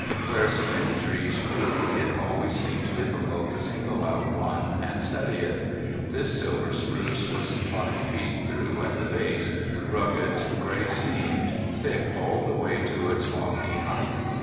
Where so many trees grew it always seemed difficult to single out one and study it. This silver spruce was five feet through at the base, rugged, gray seamed, thick all the way to its lofty height.